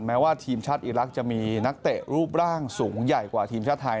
แม้ว่าทีมชาติอีรักษ์จะมีนักเตะรูปร่างสูงใหญ่กว่าทีมชาติไทย